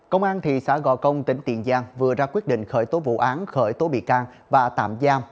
công an thị xã gò công tỉnh tiền giang vừa ra quyết định khởi tố vụ án khởi tố bị can và tạm giam